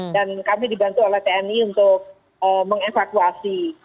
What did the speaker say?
dan kami dibantu oleh tni untuk mengevakuasi